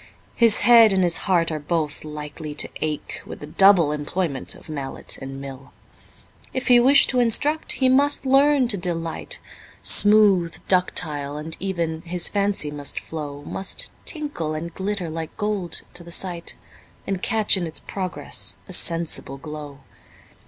His head and his heart are both likely to ache With the double employment of mallet and mill. If he wish to instruct, he must learn to delight, Smooth, ductile, and even, his fancy must flow, Must tinkle and glitter like gold to the sight, And catch in its progress a sensible glow.